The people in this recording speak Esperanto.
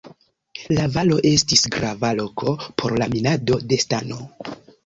La valo estis grava loko por la minado de stano.